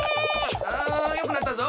およくなったぞ。